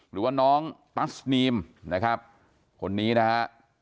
หรือว่าน้องตัสนีมนะครับคนนี้นะฮะ